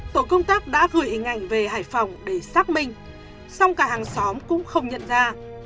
tổ công tác đã gửi hình ảnh về hải phòng để xác minh song cả hàng xóm cũng không nhận ra